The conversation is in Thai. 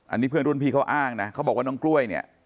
อันนี้เพื่อนรุ่นพี่เขาอ้างนะเขาบอกว่าน้องกล้วยเนี่ย